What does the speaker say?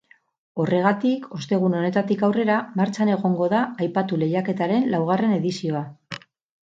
Horregatik, ostegun honetatik aurrera martxan egongo da aipatu lehiaketaren laugarren edizioa.